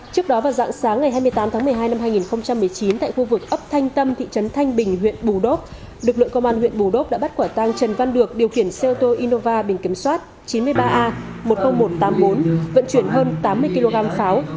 trước đó vào dạng sáng ngày hai mươi tám tháng một mươi hai năm hai nghìn một mươi chín tại khu vực ấp thanh tâm thị trấn thanh bình huyện bù đốp lực lượng công an huyện bù đốp đã bắt quả tăng trần văn được điều khiển xe ô tô innova bình kiểm soát chín mươi ba a một mươi nghìn một trăm tám mươi bốn vận chuyển hơn tám mươi kg pháo